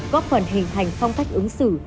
góp phần hình hành phong cách ứng xử